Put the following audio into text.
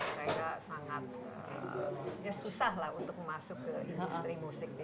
mereka sangat ya susah lah untuk masuk ke industri musik